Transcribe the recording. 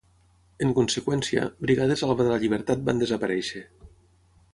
En conseqüència, Brigades Alba de la Llibertat van desaparèixer.